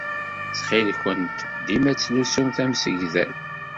Ttxil-went, dima ttlusumt amsegdal.